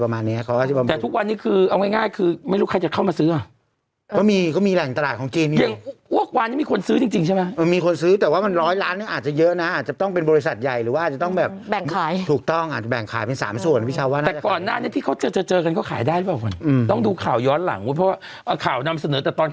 มาน้ำเกี่ยวกับยาสมรรภาพนางเพศ